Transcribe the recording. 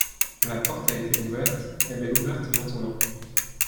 La porte a été ouverte, elle est ouverte maintenant.